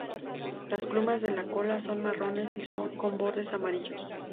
Las plumas de la cola son marrones y con bordes amarillos.